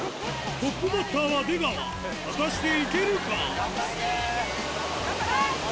トップバッターは出川果たしていけるか？